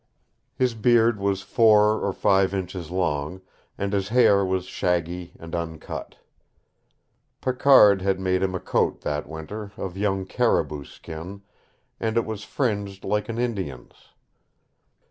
His beard was four or five inches long, and his hair was shaggy and uncut. Picard had made him a coat, that winter, of young caribou skin, and it was fringed like an Indian's.